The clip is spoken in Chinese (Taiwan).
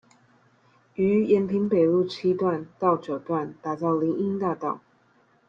於延平北路七段到九段打造林蔭大道